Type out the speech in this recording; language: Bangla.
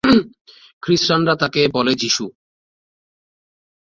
খ্রিস্টানরা তাকে বলে যিশু।